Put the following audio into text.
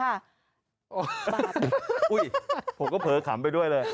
บาปอุ๊ยผมก็เผลอขำไปด้วยเลย